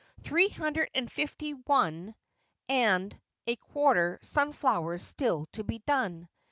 Three hundred and fifty one and a quarter sunflowers still to be done.